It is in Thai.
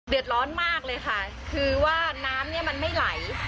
เดือดร้อนมากเลยค่ะคือว่าน้ำเนี่ยมันไม่ไหล